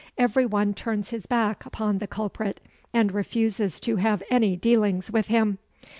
Every one turns his back upon the culprit and refuses to have any dealings with him.